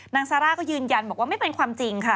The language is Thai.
ซาร่าก็ยืนยันบอกว่าไม่เป็นความจริงค่ะ